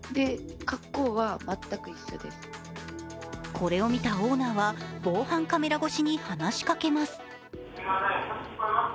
これを見たオーナーは防犯カメラ越しに話しかけます。